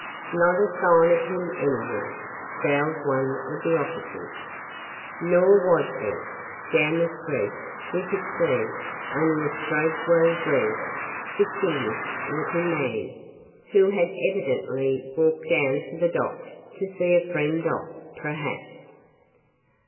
"Not a sign of him anywhere," growled one of the officers. Nor was there. Down the street we could see only a straight well dressed, distinguished looking man who had evidently walked down to the docks to see a friend off, perhaps.